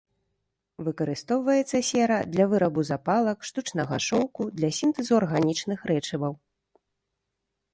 Выкарыстоўваецца сера для вырабу запалак, штучнага шоўку, для сінтэзу арганічных рэчываў.